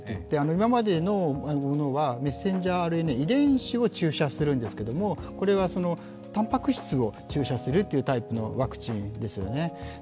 今までのものはメッセンジャーＲＮＡ遺伝子を注射するんですけど、これはたんぱく質を注射するというタイプのワクチンです。